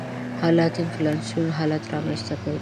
حالت انفلاسیوني حالت رامنځته کوي.